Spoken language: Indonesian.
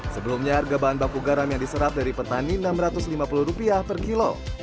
sebelumnya harga bahan baku garam yang diserap dari petani rp enam ratus lima puluh per kilo